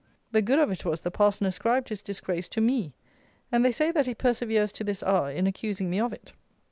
The good of it was the parson ascribed his disgrace to me, and they say that he perseveres to this hour in accusing me of it.